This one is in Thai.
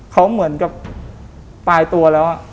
เขาเหมือนกับปลายตัวแล้ว